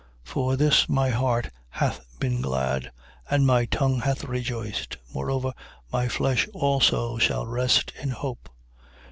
2:26. For this my heart hath been glad, and my tongue hath rejoiced: moreover my flesh also shall rest in hope.